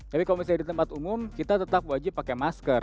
tapi kalau misalnya di tempat umum kita tetap wajib pakai masker